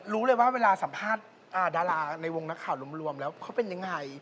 รู้เลยว่าเวลาสัมภาษณ์ดาราในวงนักข่าวรวมแล้วเขาเป็นยังไง